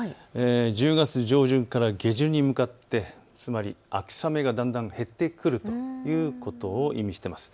１０月上旬から下旬に向かってつまり秋雨がだんだん減ってくることを意味しています。